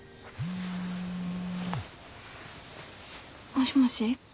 もしもし。